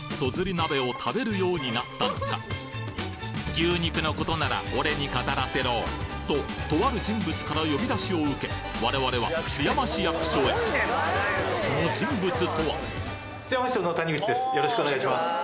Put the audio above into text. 鍋を食べるようになったのか牛肉の事なら俺に語らせろととある人物から呼び出しを受け我々は津山市役所へその人物とはよろしくお願いします。